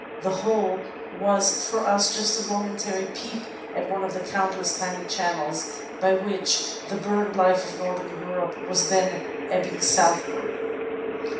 The whole was for us just a momentary peep at one of the countless tiny channels by which the bird life of northern Europe was then ebbing southward.